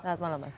selamat malam mas